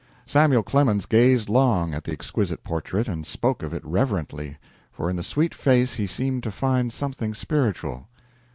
Samuel Clemens gazed long at the exquisite portrait and spoke of it reverently, for in the sweet face he seemed to find something spiritual.